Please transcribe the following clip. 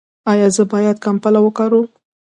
ایا زه باید کمپله وکاروم؟